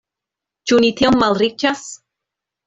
Ĉu ni tiom malriĉas?